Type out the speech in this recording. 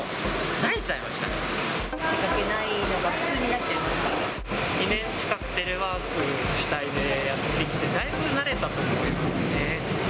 出かけないのが普通になっち２年近くテレワーク主体でやってきて、だいぶ慣れたと思うんですよね。